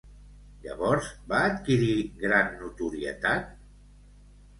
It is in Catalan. Llavors, va adquirir gran notorietat?